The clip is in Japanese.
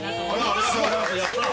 ◆ありがとうございます、やった。